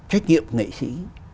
trách nhiệm nghệ sĩ